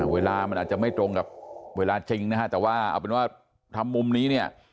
เวลามันอาจจะไม่ตรงกับเวลาจริงนะฮะแต่ว่าเอาเป็นว่าทำมุมนี้เนี่ย